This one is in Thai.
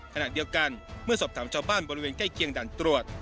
ขณะเดียวกันเมื่อสอบถามชาวบ้านบริเวณใกล้เคียงด่านตรวจ